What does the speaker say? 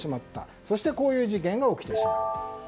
そしてこういう事件が起きてしまう。